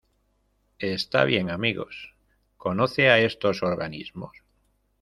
Está bien. Amigos .¿ conoce a estos organismos?